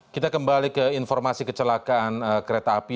kita kembali ke informasi kecelakaan kereta api